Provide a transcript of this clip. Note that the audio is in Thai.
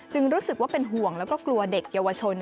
รู้สึกว่าเป็นห่วงแล้วก็กลัวเด็กเยาวชน